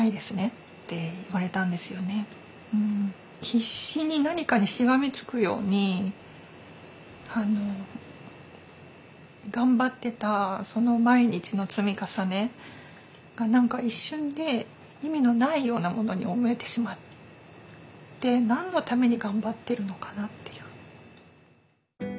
必死に何かにしがみつくように頑張ってたその毎日の積み重ねが何か一瞬で意味のないようなものに思えてしまって何のために頑張ってるのかなっていう。